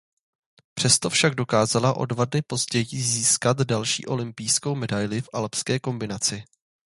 Přesto však dokázala o dva dny později získat další olympijskou medaili v alpské kombinaci.